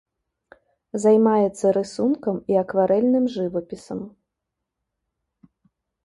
Займаецца рысункам і акварэльным жывапісам.